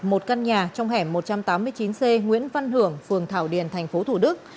một căn nhà trong hẻm một trăm tám mươi chín c nguyễn văn hưởng phường thảo điền thành phố thủ đức